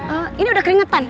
eh ini udah keringetan